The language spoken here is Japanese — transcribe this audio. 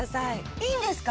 いいんですか？